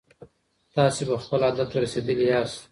تاسي به خپل هدف ته رسېدلي ياست.